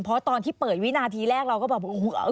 เพราะตอนที่เปิดวินาทีแรกเราก็แบบโอ้โห